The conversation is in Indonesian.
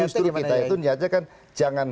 justru kita itu niatnya kan jangan